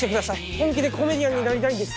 本気でコメディアンになりたいんです」